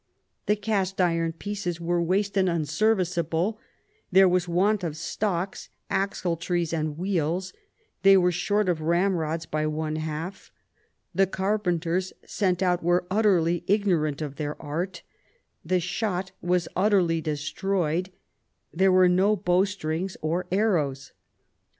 "The cast iron pieces were waste and unserviceable; there was want of stocks, axle trees and wheels ; they were short of ramrods by one half ; the carpenters sent out were utterly ignorant of their art ; the shot was utterly destroyed ; there were no bowstrings or arrows."